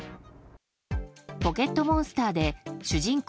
「ポケットモンスター」で主人公